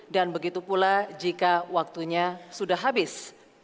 dan begitu pula jika waktunya sudah habis